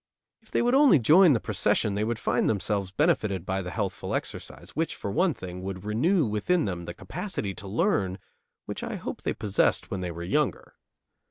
If they would only join the procession they would find themselves benefited by the healthful exercise, which, for one thing, would renew within them the capacity to learn which I hope they possessed when they were younger.